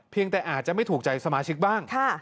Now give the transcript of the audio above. แต่อาจจะไม่ถูกใจสมาชิกบ้าง